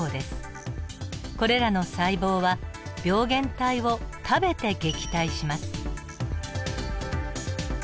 これらの細胞は病原体を食べて撃退します。